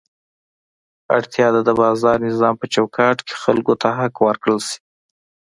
اړتیا ده د بازار نظام په چوکاټ کې خلکو ته حق ورکړل شي.